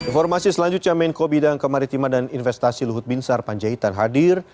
informasi selanjutnya menko bidang kemaritiman dan investasi luhut binsar panjaitan hadir